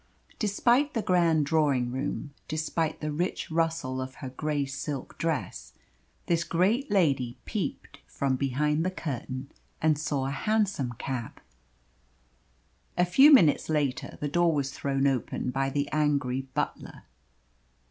Despite the grand drawing room, despite the rich rustle of her grey silk dress, this great lady peeped from behind the curtain, and saw a hansom cab. A few minutes later the door was thrown open by the angry butler.